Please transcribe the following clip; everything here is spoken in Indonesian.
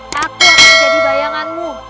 aku akan menjadi bayanganmu